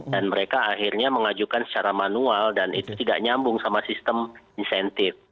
dan mereka akhirnya mengajukan secara manual dan itu tidak nyambung sama sistem insentif